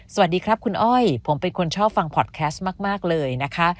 สวัสดีครับคุณอ้อยผมเป็นคนชอบฟังพอดแคสต์มากเลยนะคะ